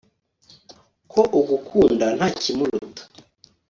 Ko ugukunda nta kimuruta